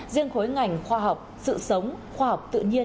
riêng khối ngành khoa học sự sống khoa học tự nhiên